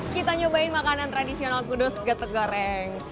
kita nyobain makanan tradisional kudus getek goreng